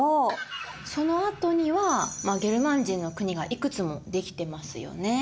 そのあとにはゲルマン人の国がいくつも出来てますよね。